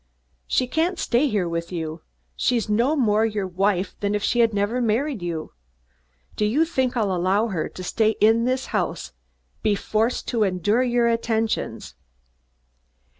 "She can't stay here with you. She's no more your wife than if she had never married you. Do you think I'll allow her to stay in this house, forced to endure your attentions